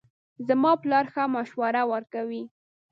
زما پلار ښه مشوره ورکوي